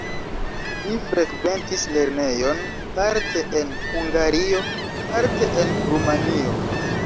Li frekventis lernejon parte en Hungario, parte en Rumanio.